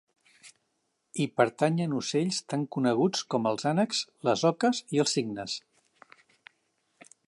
Hi pertanyen ocells tan coneguts com els ànecs, les oques i els cignes.